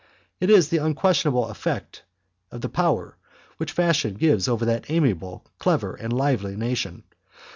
It is the unquestionable effects of the power which fashion has over that amiable, clever, and lively nation.